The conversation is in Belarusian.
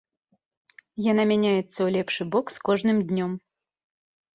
Яна мяняецца ў лепшы бок з кожным днём.